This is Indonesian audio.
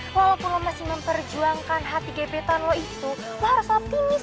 walaupun lo masih memperjuangkan hati gebetan lo itu lo harus optimis